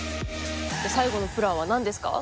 最後のプランはなんですか？